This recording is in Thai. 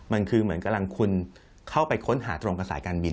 มันคือเหมือนกำลังคุณเข้าไปค้นหาตรงกับสายการบิน